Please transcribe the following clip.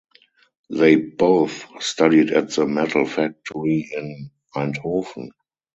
They both studied at the Metal Factory in Eindhoven.